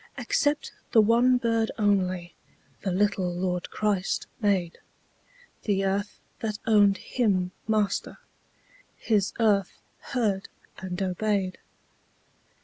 Except the one bird only The little Lord Christ made; The earth that owned Him Master, His earth heard and obeyed.